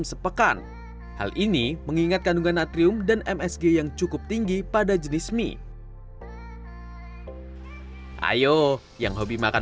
meskipun enak dan mengenyangkan mengonsumsi mie harus sesuai kebutuhan tubuh ya